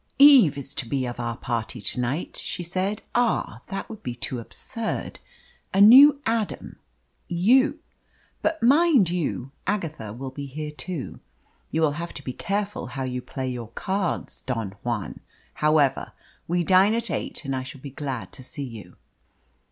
"Eve is to be of our party to night," she said. "Ah that would be too absurd a new Adam! You! But, mind you, Agatha will be here too. You will have to be careful how you play your cards, Don Juan! However, we dine at eight, and I shall be glad to see you."